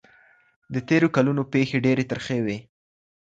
د تېرو کلونو پېښې ډېرې ترخې وې.